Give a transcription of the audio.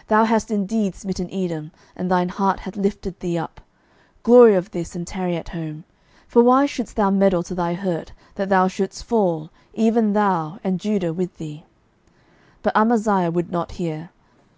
12:014:010 Thou hast indeed smitten Edom, and thine heart hath lifted thee up: glory of this, and tarry at home: for why shouldest thou meddle to thy hurt, that thou shouldest fall, even thou, and Judah with thee? 12:014:011 But Amaziah would not hear.